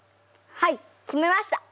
はい決めました！